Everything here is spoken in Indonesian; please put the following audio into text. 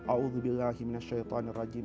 audzubillah minasyaitanir rajim